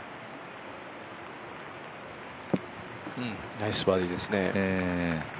ナイスバーディーですね。